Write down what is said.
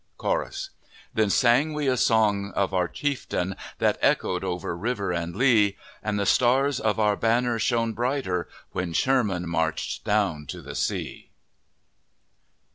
CHORUS: Then sang we a song of our chieftain, That echoed over river and lea; And the stars of our banner shone brighter When Sherman marched down to the sea!